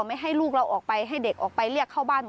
มาก่อมาดำเนินคดีหน่อยแล้วกัน